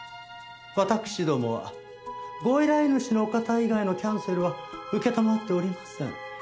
わたくしどもはご依頼主のお方以外のキャンセルは承っておりません。